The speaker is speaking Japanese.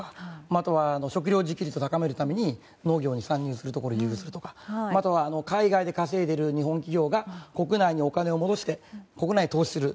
あとは食料自給率を高めるために農業に参入するところを増やすとか海外で稼いでいる日本企業が国内にお金を戻して国内に投資する